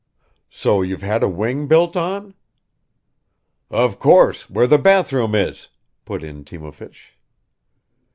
"So you've had a wing built on?" "Of course, where the bathhouse is," put in Timofeich.